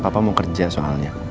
papa mau kerja soalnya